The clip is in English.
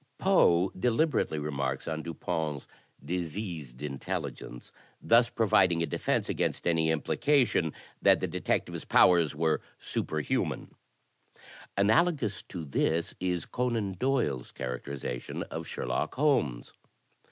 Poe deliberately remarks on Dupin's diseased intelligence, thus providing a defence against any implication that the detectiye^s powers wer£_supe rhiuna n. Analogous to this is Conan Doyle's characterization of Sherlock Holmes.